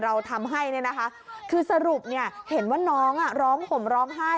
เราทำให้เนี่ยนะคะคือสรุปเห็นว่าน้องร้องห่มร้องไห้